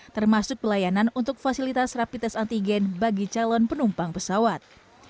termasuk pelayanan untuk fasilitas rapi tes antigen bagi calon penumpang pesawat